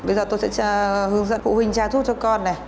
bây giờ tôi sẽ hướng dẫn phụ huynh tra thuốc cho con này